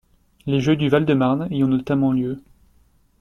Les Jeux du Val-de-Marne y ont notamment lieu.